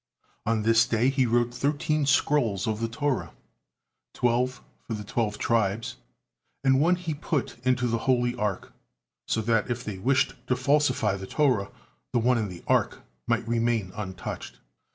On this day he wrote thirteen scrolls of the Torah, twelve for the twelve tribes, and one he put into the Holy Ark, so that, if they wished to falsify the Torah, the one in the Ark might remain untouched.